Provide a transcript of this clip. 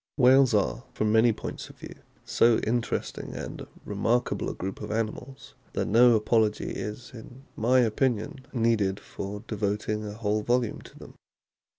Whales are, from many points of view, so inter esting and remarkable a group of animals, that no apology is, in my opinion, needed for devoting a whole volume to them.